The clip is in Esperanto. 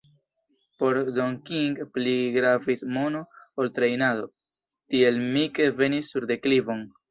Por Don King pli gravis mono ol trejnado, tiel Mike venis sur deklivon.